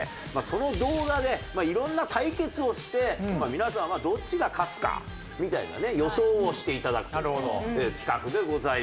その動画で色んな対決をして皆さんはどっちが勝つかみたいなね予想をして頂く企画でございます。